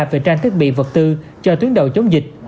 về trang thiết bị vật tư cho tuyến đầu chống dịch